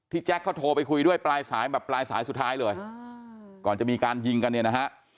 แจ๊คเขาโทรไปคุยด้วยปลายสายแบบปลายสายสุดท้ายเลยก่อนจะมีการยิงกันเนี่ยนะฮะ